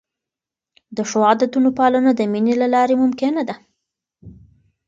د ښو عادتونو پالنه د مینې له لارې ممکنه ده.